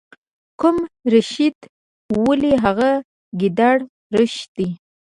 کوم رشید؟ ولې هغه ګیدړ رشید.